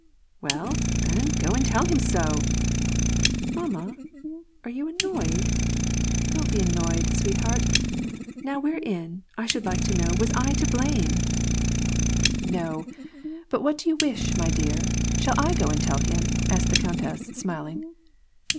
" Well, then, go and tell him so !"" Mamma, are you annoyed ? Don't be annoyed, sweetheart,* now wherein, I should like to know, was I to blame ?"* Golubu9hka. 64 W^R AND PEACE. " No, but what do you wish, my dear ? Shall I go and tell him ?" asked the countess, smiling.